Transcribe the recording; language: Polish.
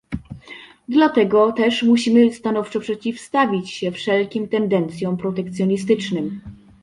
Dlatego też musimy stanowczo przeciwstawić się wszelkim tendencjom protekcjonistycznym